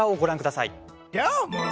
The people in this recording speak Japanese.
どーも！